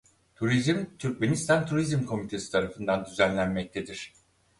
Turizm Türkmenistan Turizm Komitesi tarafından düzenlenmektedir.